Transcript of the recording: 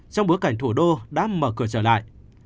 trong bối cảnh thủ đô đã mở cửa trở lại